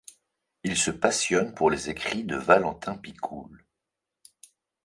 Il se passionne pour les écrits de Valentin Pikoul.